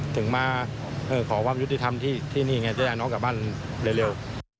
ถึงมาขอความยุติธรรมที่นี่ไงจะได้น้องกลับบ้านเร็ว